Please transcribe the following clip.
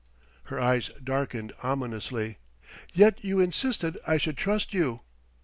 Her eyes darkened ominously: "Yet you insisted I should trust you!"